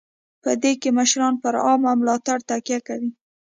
په دې کې مشران پر عامه ملاتړ تکیه کوي.